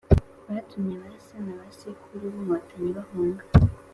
batumye ba se na ba sekuru b’inkotanyi bahunga